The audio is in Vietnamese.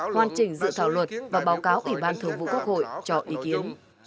hoàn chỉnh dự thảo luật và báo cáo ủy ban thường vụ quốc hội cho ý kiến